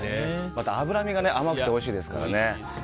また脂身が甘くておいしいですからね。